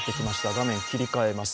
画面を切り替えます。